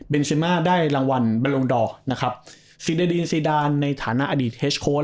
เบนเซมมาได้รางวัลบัลลุณดอร์นะครับสิดาดินสีดานในฐานะอดีตเฮจโค้ด